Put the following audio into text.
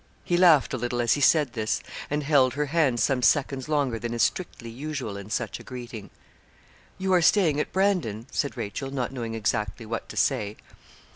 He laughed a little as he said this; and held her hands some seconds longer than is strictly usual in such a greeting. 'You are staying at Brandon?' said Rachel, not knowing exactly what to say.